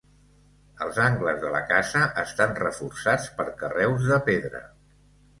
Els angles de la casa estan reforçats per carreus de pedra.